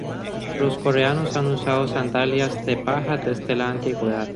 Los coreanos han usado sandalias de paja desde la antigüedad.